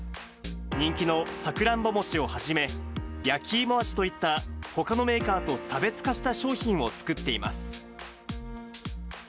人気のさくらんぼ餅をはじめ、焼き芋味といったような、ほかのメーカーと差別化した商品を作っています。